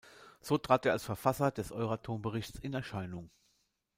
So trat er als Verfasser des Euratom-Berichts in Erscheinung.